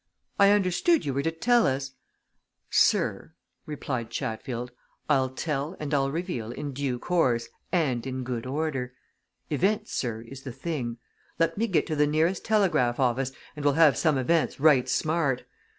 "I understood you were to tell us " "Sir," replied Chatfield, "I'll tell and I'll reveal in due course, and in good order. Events, sir, is the thing! Let me get to the nearest telegraph office, and we'll have some events, right smart.